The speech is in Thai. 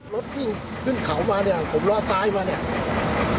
รถวิ่งขึ้นเขามาเนี่ยผมล้อซ้ายมาเนี่ย